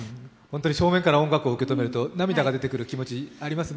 正面から音楽を受け止めると涙が出てくることありますね。